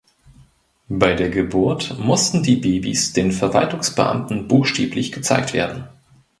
Bei der Geburt mussten die Babys den Verwaltungsbeamten buchstäblich gezeigt werden.